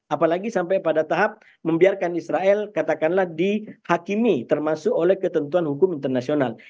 apalagi sampai pada tahap membiarkan israel katakanlah dihakimi termasuk oleh ketentuan hukum internasional